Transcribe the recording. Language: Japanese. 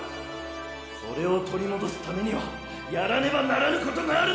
それを取り戻すためにはやらねばならぬことがある